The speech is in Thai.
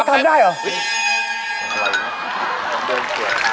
พี่โรย